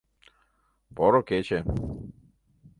Поро кече.